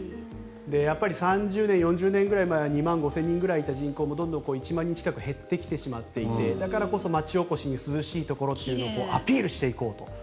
やっぱり３０年、４０年ぐらい前は２万５０００人ぐらいいた人口も１万人近くに減ってきてしまってだからこそ町おこしに涼しいところっていうことをアピールしていこうと。